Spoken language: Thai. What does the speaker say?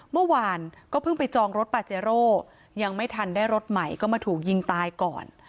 เมื่อวานก็เพิ่งไปจองรถปาเจโร่ยังไม่ทันได้รถใหม่ก็มาถูกยิงตายก่อน